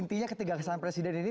intinya ketiga kesahan presiden ini